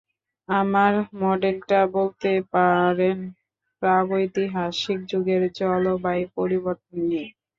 আমার মডেলটা বলতে পারেন প্রাগৈতিহাসিক যুগের জলবায়ু পরিবর্তন নিয়ে!